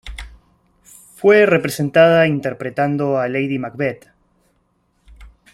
Fue representada interpretando a Lady Macbeth.